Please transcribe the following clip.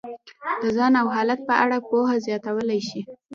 د ځان او حالت په اړه پوهه زیاتولی شي.